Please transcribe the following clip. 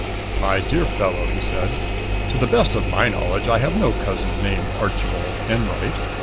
"My dear fellow," he said, "to the best of my knowledge, I have no cousin named Archibald Enwright."